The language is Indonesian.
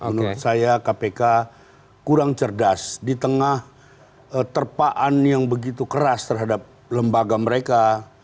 menurut saya kpk kurang cerdas di tengah terpaan yang begitu keras terhadap lembaga mereka